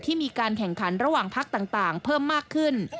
มีการแข่งขันระหว่างพักต่างเพิ่มมากขึ้น